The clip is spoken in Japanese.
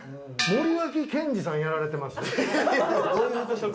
森脇健児さんやられてます？